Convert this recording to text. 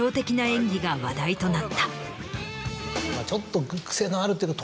ちょっと。